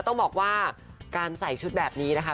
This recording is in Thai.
ต้องบอกว่าการใส่ชุดแบบนี้นะคะ